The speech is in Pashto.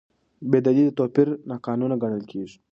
بېدلیله توپیر ناقانونه ګڼل کېږي.